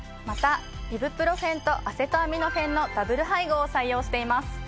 またイブプロフェンとアセトアミノフェンのダブル配合を採用しています！